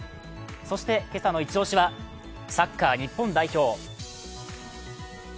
そして、今朝のイチ押しはサッカー日本代表。